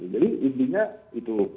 jadi intinya itu